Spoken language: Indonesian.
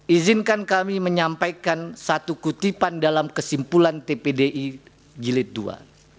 izinkan kami menyampaikan satu kutipan dalam kesimpulan tpdi jilid ii